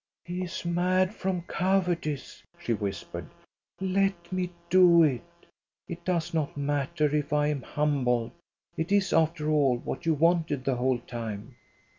" He is mad from cowardice," she whispered. " Let me do it ! It does not matter if I am humbled. It is after all what you wanted the whole time."